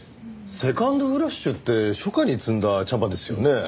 セカンドフラッシュって初夏に摘んだ茶葉ですよね。